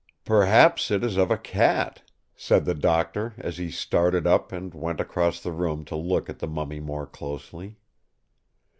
"Perhaps it is of a cat!" said the Doctor as he started up and went across the room to look at the mummy more closely.